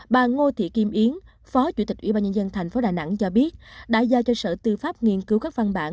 bà ngô thị kim yến phó chủ tịch ubnd tp đà nẵng cho biết đã giao cho sở tư pháp nghiên cứu các văn bản